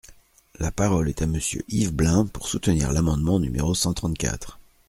La parole est à Monsieur Yves Blein, pour soutenir l’amendement numéro cent trente-quatre.